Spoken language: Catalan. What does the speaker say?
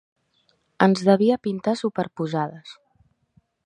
Ens devia pintar superposades.